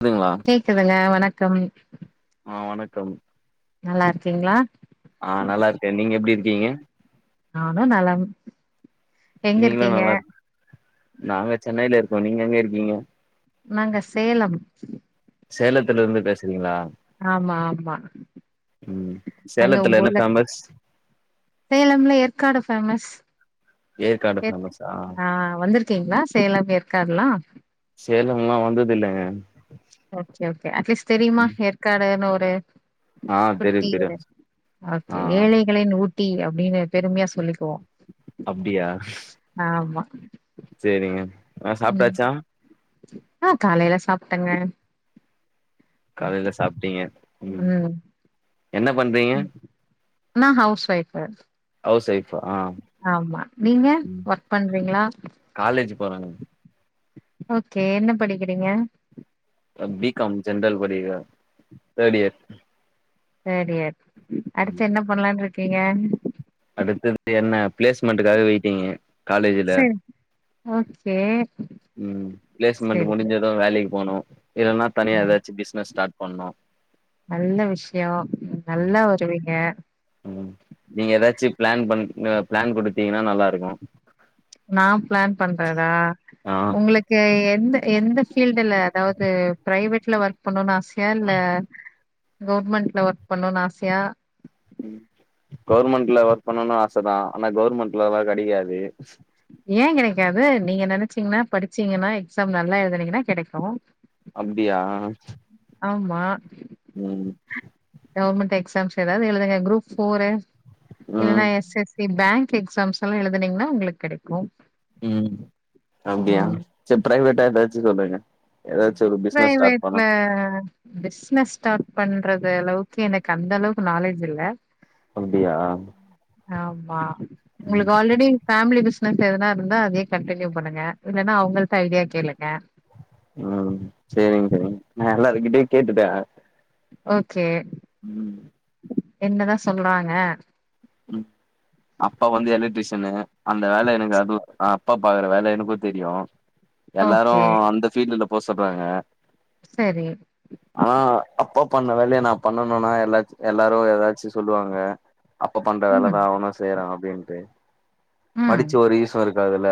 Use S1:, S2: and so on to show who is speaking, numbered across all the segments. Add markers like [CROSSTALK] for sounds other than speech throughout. S1: அதுங்ளா
S2: கேக்குதுங்க வணக்கம்
S1: அ வணக்கம்
S2: நல்லார்க்கீங்ளா
S1: அ நல்லார்க்கே நீங்க எப்டி இருக்கீங்க
S2: நானு நலம் எங்க
S1: நீங்களு
S2: இருக்கீங்க
S1: நல்லார்க் நாங்க சென்னைல இருக்கோ நீங்க எங்க இருக்கீங்க
S2: நாங்க சேலம்
S1: சேலத்துல இருந்து பேசுறீங்களா
S2: ஆம்மா ஆம்மா
S1: ம்
S2: அங்க உங்க
S1: சேலத்துல என்ன
S2: ஊர்ல
S1: ஃபேமஸ்
S2: சேலம்ல ஏற்காடு ஃபேமஸ்
S1: ஏற்காடு
S2: எர்க்
S1: ஃபேமஸா
S2: ஆ வந்துர்க் க்கீங்களா சேலம் ஏற்காட்ல்லா
S1: சேலம்லா வந்தது இல்லங்க
S2: ஓக்கே ஓக்கே அட்லீஸ்ட் தெரியுமா ஏற்காடுன்னு ஒரு
S1: ஆ தெரியு தெரியு
S2: குட்டின்னு
S1: ஆ
S2: அப்ப ஏழைகளின் ஊட்டி அப்டின்னு பெருமியா சொல்லிக்குவோ
S1: அப்டியாஸ்
S2: ஆமா
S1: செரிங்க அ சாப்ட்டாச்சா
S2: அ காலைல சாப்ட்டங்க
S1: காலைல சாப்டீங்க ம் என்ன பண்றீங்க
S2: நா ஹவுஸ்ஒய்ஃப்வு
S1: ஹவுஸ் ஒய்ஃபா ஆ
S2: ஆம்மா நீங்க ஒர்க் பண்றீங்ளா
S1: கால்லேஜ் பொறங்
S2: ஓக்கே என்ன படிக்கிறீங்க
S1: அ பி காம் ஜென்ரல் படிக்கி தேட்யேர்
S2: தேட்யேர் அடுத்து என்ன பண்லான்ருக்கீங்க
S1: அடுத்தது என்ன பிளேஸ்மெண்ட்டுக்காக வெயிட்டீங்கு காலேஜில
S2: சேர்
S1: ம் பிளேஸ்மெண்ட்டு முடிஞ்சதும் வேலைக்கு போனும் இல்லன்னா தனிய எதாச்சி பிஸ்னஸ் ஸ்டாட் பண்ணும்
S2: நல்ல விஷியம்
S1: ம்
S2: நல்லா வருவீங்க
S1: ம் நீங்க எதாச்சி பிளான் பண் பிளான் கொடுத்தீங்கன்னா நல்லா இருக்கும்
S2: நா பிளான் பண்றதா
S1: ஆ
S2: உங்களுக் கு எந்த எந்த பீல்டுல அதாவது பிரைவேட்ல ஒர்க் பண்ணனு ஆ சயா இல்ல கவுர்மெண்ட்ல ஒர்க் பண்ணனு ஆசையா
S1: கவுர்மெண்ட்ல ஒர்க் பண்ணுனு ஆச தான் ஆனா கவுர்மெண்ட்ல வேல கெடைகாதே
S2: ஏன் கெடைக்காது நீங்க நெனச்சீங்கன்னா படிச்சீங்கன்னா எக்ஸாம் நல்லா எழுதிங்கன்னா கெடைக்கும்
S1: அப்டியா
S2: ஆமா
S1: ம்
S2: கவர்மெண்ட் எக்ஸாம்ஸ் எதாவது எழுதுங்க குரூப் போரு
S1: ம்
S2: இல்லன்னா எஸ் எஸ் சி பேங்க் எக்ஸாம்ஸ்லா எழுதனீங்கன்னா உங்களுக்கு கெடைக்கும்
S1: ம் அப்டியா செரி பிரைவேட்டா எதாச்சி சொல்லுங்க ஏதாச்சு ஒரு பிசினஸ் ஸ்டார்ட் பண்ணு
S2: பிரைவேட்ல பிஸ்னஸ் ஸ்டாட் பண்றது அளவுக்கு எனக்கு அந்த அளவுக்கு நாலேஜி இல்ல
S1: அப்டியா
S2: ஆமா
S1: ம்
S2: உங்களுக்கு ஆல்ரெடி ஃபேமிலி பிஸ்னஸ் எதனா இருந்தா அதயே கன்டினியூ பண்ணுங்க இல்லன்னா அவங்கள்ட்ட ஐடியா கேளுங்க
S1: ம் செரிங்க செரிங்க நா எல்லாருகிட்டயு கேட்டுட்டன் ஆ
S2: ஓகே
S1: ம்
S2: என்னதா சொல்றாங்க
S1: ம் அப்பா வந்து எலக்ட்ரிஷியனு அந்த வேல எனக்கு அது அப்பா பாக்கற வேல எனக்கும் தெரியும்
S2: ஓகே
S1: எல்லாரும் அந்த ஃபீல்டுல போ சொல்றாங்க
S2: சரி
S1: ஆனா அப்பா பண்ண வேலயா நா பண்ணணும்னா எல்லா எல்லாரும் எதாச்சி சொல்லுவாங்க அப்பா பண்ற
S2: ம்
S1: வேலதா அவனும் செய்யறான் அப்டின்ட்டு
S2: ம்
S1: படிச்சி ஒரு யூஸ்சும் இருக்காது இல்ல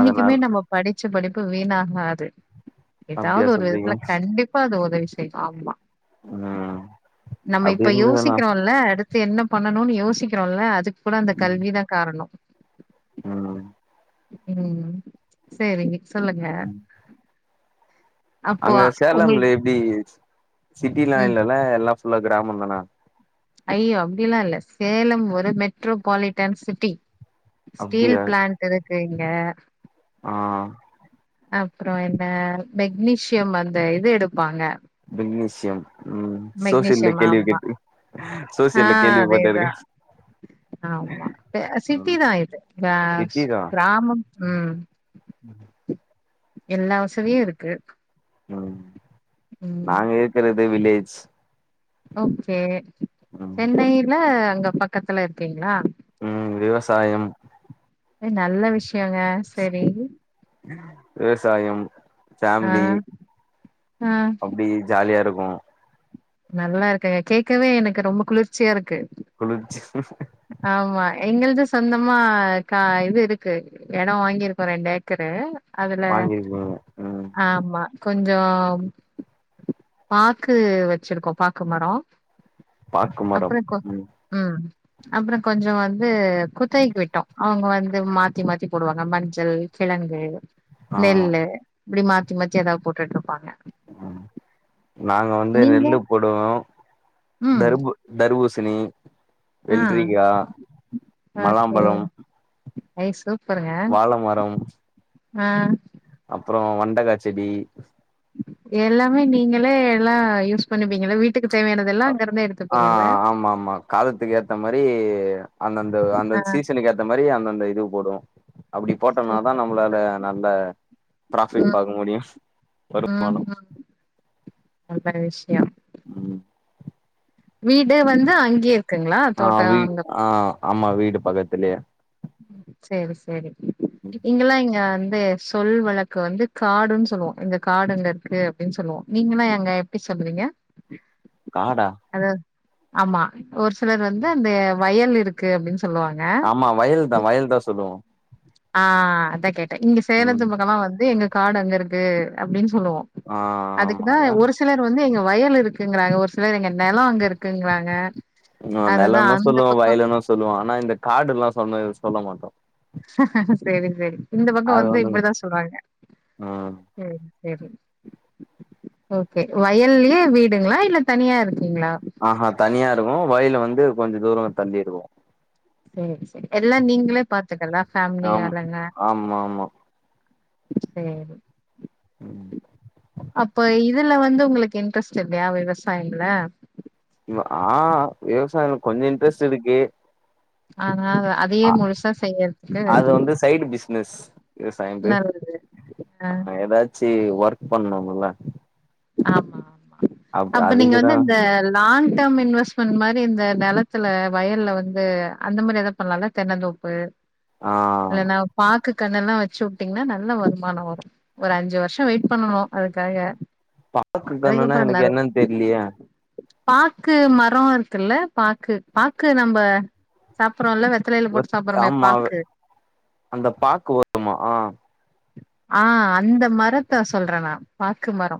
S1: அதனால
S2: நம்ப படிச்ச படிப்பு வீணாகாது எதாவது
S1: அப்டியா
S2: ஒரு
S1: சொல்றீங்க
S2: விதத்துல கண்டிப்பா அது உதவி செய்யும் ஆமா
S1: ம்
S2: நம்ம
S1: அப்டி
S2: இப்ப
S1: இருந்ததுன்னா
S2: யோசிக்கிறோம் இல்ல அடுத் து என்ன பண்ணணும்னு யோசிக்கிறோம் இல்ல அதுக்கு கூட அந்த கல்விதா காரணம்
S1: ம்
S2: ம் செரிங்க சொல்லுங்க அப்போ
S1: அங்க
S2: உங்களுக்கு
S1: சேலம்ல எப்டி சிட்டிலா
S2: ம்
S1: இல்லல்ல எல்லா ஃபுல்லா கிராமம் தானா
S2: ஐய்யயோ அப்டிலா இல்ல சேலம் ஒரு மெட்ரோபாலிட்டன் சிட்டி ஸ்டீல்
S1: அப்டியா
S2: பிளான்ட் இருக்கு இங்க
S1: ஆ
S2: அப்றோம் இந்த மெக்னீஷியம் அந்த இது எடுப்பாங்க
S1: பெங்லூசியம் ம் சோசியல்ல
S2: மெக்னீசியம்
S1: கேள்வி
S2: ஆமா
S1: கேட்டுரு
S2: ஆ
S1: சோசியல்ல கேள்வி பட்டு இருக்க
S2: அதேதா ஆமா சிட்டி தா இது அ
S1: சிட்டி தா
S2: கிராமம் ம்
S1: [UNINTELLIGIBLE]
S2: எல்லா வசதியு இருக்கு
S1: ம்
S2: ம்
S1: நாங்க இருக்கறது வில்லேஜ்
S2: ஓகே
S1: ம்
S2: சென்னையில அங்க பக்கத்துல இருக்கீங்ளா
S1: ம் விவசாயம்
S2: ஏ நல்ல விஷயங்க சேரி
S1: விவசாயம்
S2: ஆ
S1: ஃபேமிலி
S2: ஆ
S1: அப்டி ஜாலியா இருக்கு
S2: நல்லா இருக்குங்க கேக்கவே எனக்கு ரொம்ப குளிர்ச்சியா இருக்கு
S1: குளிர்ச்சி
S2: ஆமா எங்கள்து சொந்தமா கா இது இருக்கு எடோ வாங்கியி இருக்கோ ரெண்டு ஏக்கரு அதுல
S1: வாங்கிருக்கீங்க ம்
S2: ஆமா கொஞ்சம் பாக்கு வெச் வெச்சிருக்கோ பாக்கு மரோ
S1: பாக்கு மரம்
S2: அப்றோ கொ ம் அப்றோ கொஞ்சோ வந்து குத்தகைக்கு விட்டோ அவுங்க வந்து மாத்தி மாத்தி போடுவாங்க மஞ்சள் கிழங்கு
S1: ஆ
S2: நெல்லு இப்டி மாத்தி மாத்தி ஏதாது போட்டுட்டு இருப்பாங்க
S1: நாங்க வந்து
S2: நீங்க
S1: நெல்லு போடுவோ
S2: ம்
S1: தர்பூ தர்பூசணி
S2: ஆ
S1: வெல்ரிகா மொலாம்பழம்
S2: ஐய் சூப்பருங்க
S1: மரம்
S2: ஆ
S1: அப்றோ வெண்டக்கா செடி
S2: எல்லாமே நீங்களே எல்லா யூஸ் பண்ணுவீங்ளா வீ வீட்டுக்கு தேவயானது எல் எல்லா இங்கருந்து எடுத்
S1: ஆ ஆமா ஆமா காலத்துக்கு ஏத்த மாரி அந்தந்த அந்த
S2: ஆ
S1: சீசனுக்கு ஏத் மாரி அந்தந்த இது போடுவோ அப்டி போட்டோம்னா தா
S2: சூப்பர்
S1: நம்மளால
S2: சூப்பர்
S1: நல்ல பிராஃபிட்
S2: ம்
S1: பாக்க முடியு
S2: ம்
S1: வருமானோ
S2: ம் நல்ல விஷயம்
S1: ம்
S2: வீடு வந்து அங்கயே இருக்குங்களா
S1: ஆ
S2: தோட்டோ
S1: வீ
S2: அங்க
S1: ஆ ஆமா வீடு பக்கத்துலயே
S2: சேரி சேரி இங்கல்லா இங்க வந்து சொல் வழக்கு வந்து காடுன்னு சொல்லுவோ எங்க காடுங்க இங்க இருக்கு அப்டின்னு சொல்லுவோ நீங்கல்லா அங்க எப்டி சொல்விங்க
S1: காடா
S2: அதாது ஆமா ஒரு சிலர் வந்து அந்த வயல் இருக்கு அப்டின்னு சொல்லுவாங்க
S1: ஆமா வயல் தா வயல் தா வயல் தா சொல்லுவோ
S2: ஆ அதா கேட்டே இங்க சேலத்து
S1: ம்
S2: பக்கம்வா வந்து எங்க காடு அங்க இருக்கு அப்டின்னு சொல்லுவோ
S1: ஆ
S2: அதுக்குதா
S1: ஆமால
S2: ஒரு சி ஒரு சிலர் வந்து எங்க வயல் இருக்குங்கறாங்க ஒரு சிலர் எங்க நெலோ அங்க இருக்குங்கறாங்க
S1: இங்க
S2: அதுதா
S1: நெலோன்னு
S2: அந்த
S1: சொல்லுவோ
S2: பக்கோ
S1: வயலுன்னு சொல்லுவோ ஆனா இந்த காடுல்லா சொன்ன சொல்ல மாட்டோ
S2: சேரி சேரி இந்த பக்கோ
S1: அது
S2: வந்து
S1: ஒண்ணுங்க
S2: இப்டித்தா சொல்லுவாங்க
S1: ம்
S2: சேரி சேரி ஓகே வயல்லையே வீடுங்ளா இல்ல தனியா இருக்கீங்ளா
S1: ஆ ஹா தனியா இருக்கு வயிலு வந்து கொஞ்ச தூரோ தள்ளி இருக்கு
S2: சேர் சேரி எல்லா நீங்களே பாத்துக்கறதா ஃபேமிலி
S1: ஆம்
S2: ஆளுங்க
S1: ஆமா ஆமா
S2: ம் அப்ப இதுல வந்து உங்களுக்கு இன்ட்ரெஸ்ட் இல்லையா விவசாயம்ல
S1: ம் ஆ விவசாயம்ல கொஞ்சோ இன்ட்ரெஸ்ட் இருக்கு
S2: ஆனா அத
S1: அ அது வந்து சைடு பிசினஸ் விவசாயது
S2: நல்லது
S1: ஆ எதாச்சு ஒர்க் பண்ணனும்ல
S2: ஆமா ஆமா அப்ப நீங்க வந்து
S1: அதுக்குதா
S2: அந்த லாங் டேர்ம் இன்வெஸ்ட்மெண்ட் மாரி இந்த நெலத்துல வயல்ல வந்து அந்த மாரி எதா பண்லால தென்னந்தோப்பு
S1: ஆ
S2: இல்லன்னா பாக்கு கண்ணுலா வச்சு உட்டீங்கனா நல்ல வருமானோ வரு ஒரு அஞ்சு வர்ஷோ வெயிட் பண்ணனு அதுக்காக
S1: பாக்கு கண்ணுனா
S2: அதுக்கப்புறோ
S1: எனக்கு
S2: நல்
S1: என்னனு தெர்லியே
S2: பாக்கு மரோ இருக்குல்ல பாக்கு பாக்கு நம்ப சாப்புர்றோல
S1: வெத் ஆமா அந்த பாக்கு வருமா
S2: ஆ அந்த மரத்த சொல்றே நா பாக்கு மரோ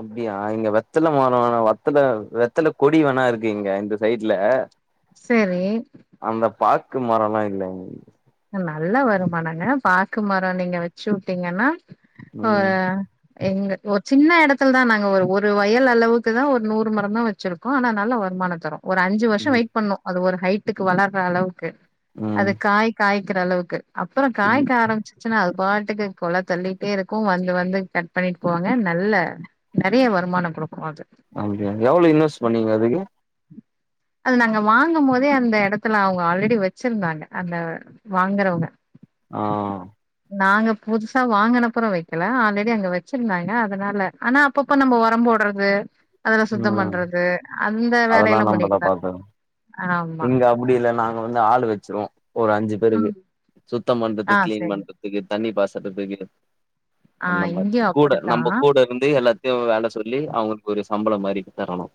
S1: அப்டியா இங்க வெத்தல மரோ வேணா வத்தல வெத்தல கொடி வேணா இருக்கு இங்க இந்த சைட்ல
S2: செரி
S1: அந்த பாக்கு மரலா இல்லைங்க
S2: நல்லா வருமானங்க பாக்கு மரோ நீங்க வச்சு உட்டிங்கன்னா
S1: ம்
S2: ஒரு எங்க ஒரு சின்ன எடத்துல தா நாங்க ஒரு ஒரு வயல் அளவுக்கு தா ஒரு நூறு மரந்தா வச்சிருக் கோ ஆனா நல்ல வருமானந்தரு ஒரு அஞ்சு வர்ஷோ
S1: ம்
S2: வெயிட் பண்ணு அது ஒரு ஹைட்டுக்கு வளர்ற அளவுக்கு அது
S1: ம்
S2: காய் காய்க்கற அளவுக்கு அப்றோ
S1: ம்
S2: காய்க்க ஆரம்பிச் ச்சனா அது பாட்டுக்கு கொல தள்ளிட்டே இருக்கு வந்து வந்து கட் பண்ணிட் போவாங்க நல்ல நறைய வருமானோ குடுக்கு அது
S1: அப்டியா எவ்ள இன்வஸ்ட் பண்ணீங்க அதுக்கு
S2: அது நாங்க வாங்கம்போதே அந்த எடத்துல அவங்க ஆல்ரெடி வச்சிருந்தாங்க அந்த வாங்கறவங்க
S1: ஆ
S2: நாங்க புதுசா வாங்கனப்றோ வைக்கல ஆல்ரெடி அங்க வச்சிருந்தாங்க அதனால ஆனா அப்பப்ப நம்ம உரம் போட்றது அதுல சுத்தம்
S1: ம்
S2: பண்றது அந்த வேலைலா பண்ணிட்ருக்கோ
S1: பாக்க இங்க அப்டி இல்ல நாங்க வந்து ஆள் வச்சுருவோ ஒரு அஞ்சு பெருகு
S2: ம்
S1: சுத்தம்
S2: ஆ
S1: பண்றதுக் கிளீன்
S2: சரி
S1: பண்றதுக்கு தண்ணி பாசறதுக்கு
S2: ஆ
S1: அந்த மாரி
S2: இங்கயு
S1: கூட
S2: அப்படித்தா
S1: நம்ப கூட வந்து எல்லாத்தையு வேல சொல்லி அவுங்குளுக்கு ஒரு சம்பளம் மாரி தரணு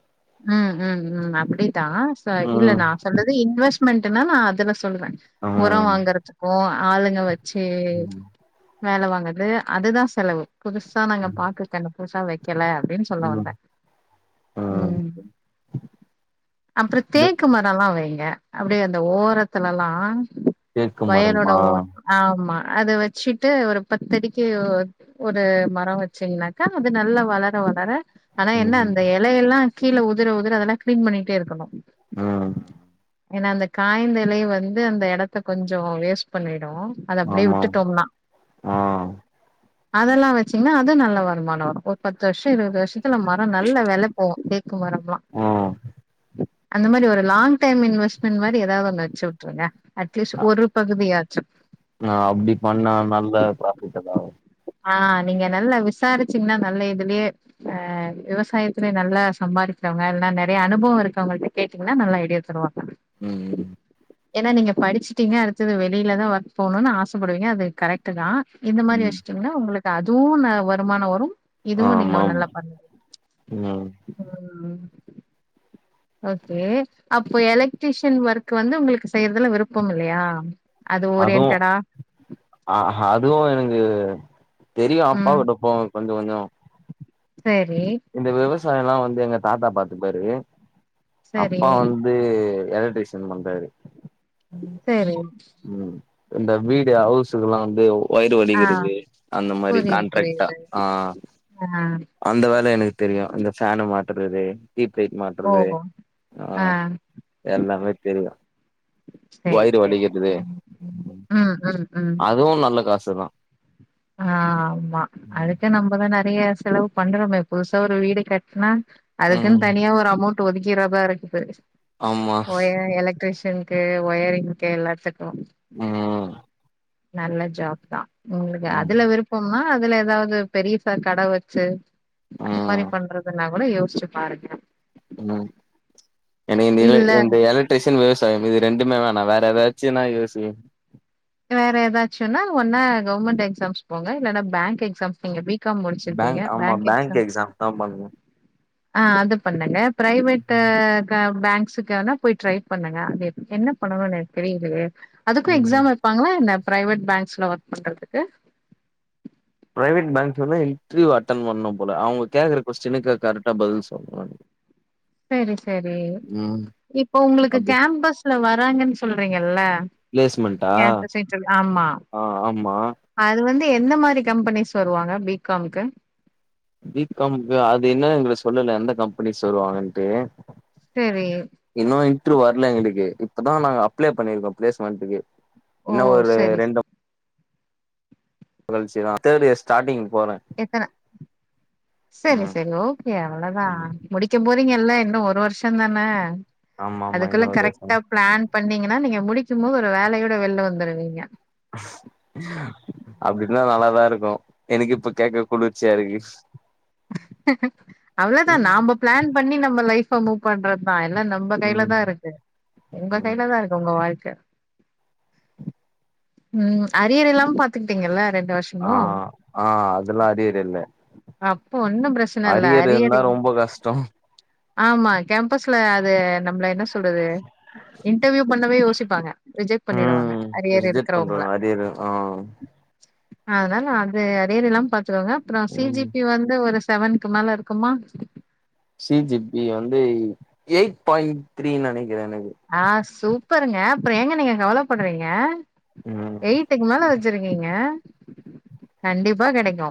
S2: ம் ம் ம் அப்டித்தா ச இல்ல
S1: ம்
S2: நா சொல்றது இன்வெஸ்ட்மெண்ட்டுனா நா அதுல சொல்லுவே உரோ
S1: ம்
S2: வாங்கறத்துக்கு ஆளுங்க வச்சு
S1: ம்
S2: வேல வாங்கது அதுதா செலவு புதுசா நாங்க பாக்கு கண்ணு புதுசா வைக்கல அப்டின்னு சொல்ல
S1: ம்
S2: வந்தே ம் அப்றோ
S1: இது
S2: தேக்கு மரல்லா வைங்க அப்டியே அந்த ஓரத்துலலா
S1: தேக்கு
S2: வயலோட
S1: மரமா
S2: ஓ ஆமா அத வச்சுட்டு ஒரு பத்தடிக்கு ஒரு மரோ வச்சிங்னாக்கா அது நல்லா வளர வளர ஆனா என்ன
S1: ம்
S2: அந்த இலையெல்லா கீழ உதிர உதிர அதெல்லா கிளீன் பண்ணிட்டே இருக்கணு
S1: ஆ
S2: ஏனா அந்த காய்ந்த இலை வந்து அந்த எடத்த கொஞ்சோ வேஸ்ட் பண்ணிடு அது அப்டியே
S1: ஆமா
S2: விட்டுட்டோம்னா
S1: ஆ
S2: அதெல்லா வச்சீங்கன்னா அது நல்ல வருமானோ வரு ஒரு பத்து வருஷோ இருவது வருஷோ சித்தல மரோ நல்ல வெல போவு தேக்கு மரம்ல்லா
S1: ம்
S2: அந்த மாரி ஒரு லாங் டைம் இன்வெஸ்ட்மெண்ட் மாரி எதா ஒன்னு வச்சு வுட்டுருங்க அட்லீஸ்ட் ஒரு பகுதியாச்சு
S1: ஆ அப்டி பண்ணா நல்ல ப்ராஃபிட்டு தா
S2: ஆ நீங்க நல்லா விசாரிச்சீங்கன்னா நல்ல இதுலயே ஆ விவசாயத்துல நல்லா சம்பாரிக்றவ்ங்க இல்னா நறைய அனுபவோ இருக்கோங்கள்ட்ட கேட்டீங்ன்னா நல்ல ஐடியா தருவாங்க
S1: ம் ம்
S2: ஏனா நீங்க படிச்சுட்டீங்க அடுத்தது வெளில தா ஒர்க் போணுன் ஆசப்படுவீங்க அது கரெக்ட் டு தா இந்த மாரி
S1: ம்
S2: வச்சுட்டீங்ன்னா ஒங்ளுக்கு அதுவு ஒன்னு வருமானோ வரும் இதுவு நீங்க
S1: ஆமாம்
S2: நல்லா பண்லா
S1: ம்
S2: ம் ஓகே அப்போ எலக்ட்ரீஷன் ஒர்க் வந்து உங்ளுக்கு செய்றதுல விருப்பம் இல்லையா அது
S1: அதுவு
S2: ஓரியன்ட்டடா
S1: ஆ அதுவு எனக்கு தெரியு அப்பா
S2: ம்
S1: விட்ட போவே கொஞ்ச கொஞ்சோ
S2: சேரி
S1: இந்த விவசாயோல்லா வந்து எங்க தாத்தா பாத்துப்பாரு
S2: சரி
S1: அப்பா வந் து எலக்ட்ரிஷியன் பண்றாரு
S2: சேரி
S1: ம் இந்த வீடு ஹவுஸுக்ல்லா வந்து ஒயிடு
S2: ஆ
S1: வடிக்குறது அந்த மாரி
S2: புரியுது
S1: காண்ட்ராக்டா
S2: புரியுது
S1: ஆ
S2: ஆ
S1: அந்த வேல எனக்கு தெரியு இந்த ஃபேன மாட்டுறது டீப் லைட்
S2: ஓ
S1: மாட்டுறது ஆ எல்லாமே தெரியு
S2: சரி
S1: வொயிடு
S2: சரி
S1: வடிக்கட்து
S2: ம் ம் ம்
S1: அதுவு நல்ல காசுதா
S2: ஆமா அடுத்து நம்ப தானே ஃப்ரீயா செலவு பண்றோமே புதுசா ஒரு வீடு கட்னா அதுக்குன்
S1: ம்
S2: தனியா ஒரு அமௌண் ட்டு ஒதுக்கிறதா இருக்குது
S1: ஆமா
S2: ஒயர் எலக்ட்ரீஷியன் க்கு ஒயரிங்க்கு எல்லாத்துக்கு
S1: ம்
S2: நல்ல ஜாப் தா உங்ளுக்கு
S1: ம்
S2: அதுல விருப்பம்னா அதுல எதாவது பெரியிசா கட வச்சு அது மாரி
S1: ம்
S2: பண்றதுன்னா கூட யோச்சு பாருங்க
S1: ம் எனக்கு இந்த எல
S2: இல்ல
S1: இந்த எலக் ட்ரீஷன் விவசாயம் இது ரெண்டுமே வேணா வேற எதாச்சுனா யோசி
S2: வேற எதாச்சுனா ஒன்னா கவர்மெண்ட் எக்ஸாம்ஸ் போங்க இல்லன்னா பேங்க் எக்ஸாம்ஸ் நீங்க பீ காம் முடிச்சிருப்பீங்க பேங்க் எக்ஸாம் ஆ அது பண்ணுங்க பிரைவெட்டு க பேங்க்ஸுக்கான போய் ட்ரை பண்ணுங்க அது என்ன பண்ணனு எனக்கு தெரிலயே அதுக்கு
S1: ம்
S2: எக்ஸாம் ப்பாங்ளா என்ன பிரைவெட் பேங்க்ஸ்ல ஒர்க் பண்றதுக்கு
S1: பிரைவேட் பேங்க்லல்லா இன்டர்வியூ அட்டன் பண்ணு போல அவுங்க கேக்குற கொஸ்டினுக்கு கரெக்டா பதில் சொல்ணு
S2: சேரி சேரி
S1: ம்
S2: இப்போ உங்ளுக்கு
S1: அப்டி
S2: கேம்பஸ்ல வராங்கன் சொல்றீங்கல்ல
S1: பிளேஸ்மெண்டா
S2: கேம்பஸ் இன்டர்வியூ ஆமா
S1: ஆ ஆமா
S2: அது வந்து எந்த மாரி கம்பெனிஸ் வருவாங்க பி காம்க்கு
S1: பி காம்க்கு அது இன்னு எங்ளுக் சொல்லல எந்த கம்பெனிஸ் வருவாங்கன்ட்டு
S2: சேரி
S1: இன்னு இன்ட்ரு வர்ல எங்களுக்கு இப்பதா நாங்க அப்ளே பண்ணிருக்கோ பிளேஸ்மெண்ட்டுக்கு
S2: ஓ
S1: இன்னு ஒரு
S2: செரி செ
S1: மகிழ்ச்சி தா தேர்ட் இயர் ஸ்டாடிங் போறே
S2: எத்தன செரி
S1: ம்
S2: செரி ஓகே அவ்ளதா
S1: ம்
S2: முடிக்க போறீங்கள்ல இன்னு ஒரு வர்ஷோந்தான
S1: ஆமா ஆமா
S2: அதுக்குள்ள
S1: இன்னொரு வருஷோ
S2: கரெக்டா பிளான் பண்ணீங்கன்னா நீங்க முடிக்கும்போ ஒரு வேலையோட வெள்ல வந்துருவீங்க
S1: அப்டிந்தா நல்லாதாருக்கு எனக்கு இப்ப கேக்க குளிர்ச்சியாருக்கு
S2: அவ்ள தா நாம்ப பிளான் பண்ணி நம்ம லைஃப்ஃப மூவ் பண்றதா எல்லா நம்ப கைல
S1: ம்
S2: தாருக்கு உங்க
S1: ம்
S2: கைல தா இருக்கு உங்க வாழ்க்க ம் அரியர் இல்லாம பாத்துக்ட்டீங்கள ரெண்டு வர்ஷ்
S1: ஆ ஆ அதுல்லா அரியர் இல்ல
S2: அப்போ ஒன்னு பிரச்சன இல்ல
S1: அரியர் இருந்தா
S2: இல்ல-
S1: ரொம்ப கஷ்டோ
S2: ஆமா கேம்பஸ்ல அது நம்ள என்ன சொல்றது இன்டர்வியூ பண்ணவே யோசிப்பாங்க ரிஜெக்ட் பண்ணிடுவா
S1: ம் ரிஜெக்ட் பண்ருவா அரியரு ஆ
S2: அதுனால அது அரியர் இல்லாம பாத்துக்கோங்க அப்றோ சி ஜி
S1: ம்
S2: பி வந் து ஒரு செவன்க்கு மேலருக்குமா
S1: சி ஜி பி வந்து எயிட் பாயிண்ட் த்ரீ நெனக்கிறே எனக்கு
S2: ஆ சூப்பருங்க அப்றோ ஏங்க நீங்க கவலப்பட்றீங்க
S1: ம்
S2: எய்ட்டுக்கு மேல வ ச்ருக்கீங்க கண்டிப்பா கெடைக்கு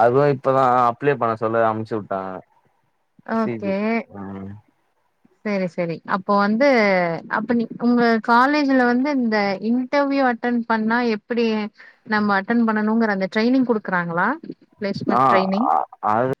S1: அதுவு இப்பதா அப்ளே பண்ண சொல்ல அம்ச்சு வுட்டாங்க சி ஜி
S2: ஓகே சேரி சேரி அப்போ வந்து அப்ப நீ உங்க காலேஜ்ல வந்து இந்த இன் டர்வியூ அட்டன் பண்ணா எப்பிடி நம்ம அட்டன் பண்ணணுங்கற அந்த ட்ரைனிங் குடுக்றாங்களா
S1: ஆ அ அது